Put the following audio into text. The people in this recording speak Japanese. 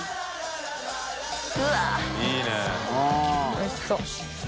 おいしそう。